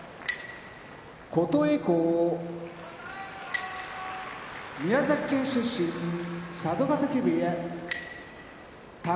琴恵光宮崎県出身佐渡ヶ嶽部屋宝